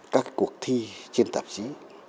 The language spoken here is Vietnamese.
các cuộc thi trên tạp chí